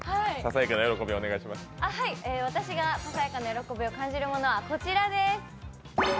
私がささやかな喜びを感じるものは、こちらです。